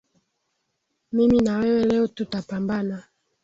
Mimi na wewe leo tutapambana